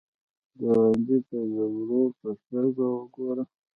ګاونډي ته د ورور په سترګه وګوره